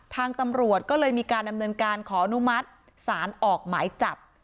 ทางตำรวจก็เลยมีการดำเนินการขออนุมัติศาลออกหมายจับ